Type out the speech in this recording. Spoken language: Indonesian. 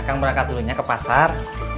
akan berangkat dulunya ke pasar